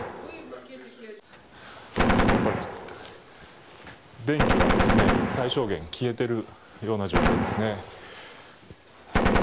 やっぱり電気は最小限、消えているような状況ですね。